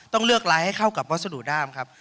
ต้องเลือกไร้ให้เข้ากับวัสดุด้ามครับ